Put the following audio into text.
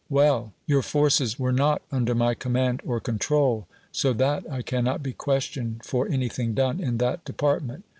Well ; your forces were not under my command or control ; so that I can not be questioned for anything done in that department.